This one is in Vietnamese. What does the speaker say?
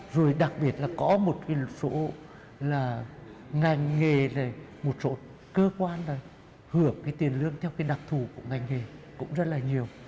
rồi đặc biệt là có một số ngành nghề một số cơ quan hưởng tiền lương theo đặc thù của ngành nghề cũng rất là nhiều